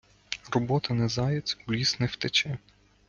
Робота не заяць, у ліс не втече.